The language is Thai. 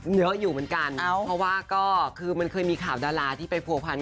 เหนืออยู่เหมือนกันเพราะมันก็คือเคยมีข่าวดาราที่เป็นปวดครัวภัณฑ์